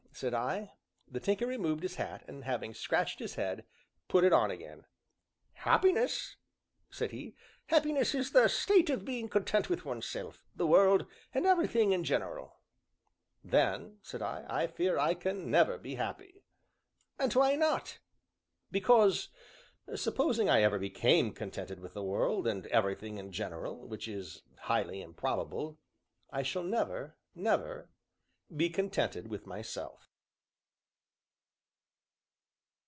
said I. The Tinker removed his hat, and, having scratched his head, put it on again. "Happiness," said he, "happiness is the state of being content with one's self, the world, and everything in general." "Then," said I, "I fear I can never be happy." "And why not?" "Because, supposing I ever became contented with the world, and everything in general, which is highly improbable, I shall never, never be contented with myself."